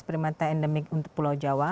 primata endemik untuk pulau jawa